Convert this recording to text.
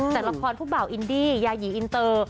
แต่ละครผู้บ่าวอินดี้ยายีอินเตอร์